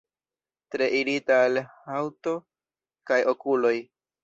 Tre irita al haŭto kaj okuloj.